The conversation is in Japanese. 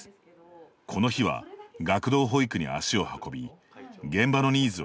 この日は、学童保育に足を運び現場のニーズを聞き取ります。